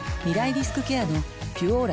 リスクケアの「ピュオーラ」